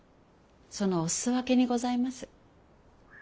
そのお裾分けにございます。